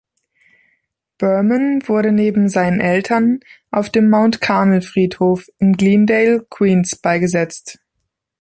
Berman wurde neben seinen Eltern auf dem Mount Carmel Friedhof in Glendale, Queens, beigesetzt.